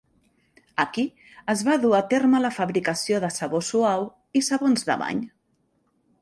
Aquí es va dur a terme la fabricació de sabó suau i sabons de bany.